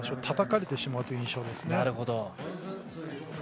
たたかれてしまうという印象ですね。